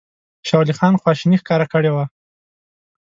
شاه ولي خان خواشیني ښکاره کړې وه.